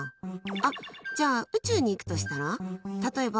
あっ、じゃあ宇宙に行くとしたら？